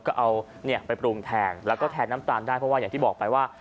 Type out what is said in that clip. ก็เอาไปปรุงแทนแล้วก็แทนน้ำตาลได้เพราะว่าอย่างที่บอกไปว่า